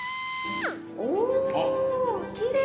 おきれい！